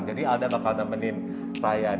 jadi alda bakal temenin saya